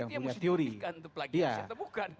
ya itu yang harus ditutupikan untuk plagiasi atau bukan